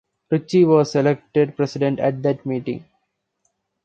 Ritchie was elected president at that meeting.